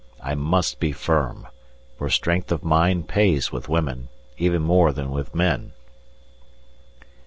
I must be firm, for strength of mind pays with women, even more than with men.